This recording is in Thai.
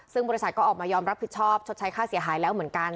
ซึ่งบริษัทก็ออกมายอมรับผิดชอบชดใช้ค่าเสียหายแล้วเหมือนกัน